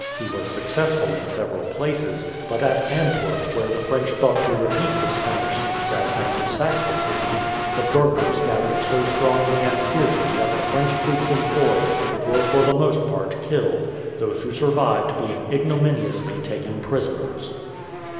He was successful in several places; but at Antwerp, where the French thought to repeat the Spanish success and to sack the city, the burghers gathered so strongly and fiercely that the French troops employed were for the most part killed, those who survived being ignominiously taken prisoners.